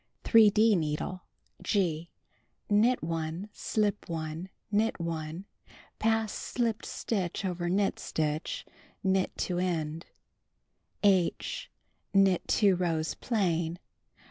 3d needle — (G) Knit 1, slip 1, knit 1, pass slipped stitch over knit stitch, knit to end. (H) Knit 2 rows plain.